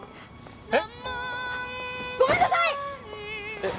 えっ？ごめんなさいっ！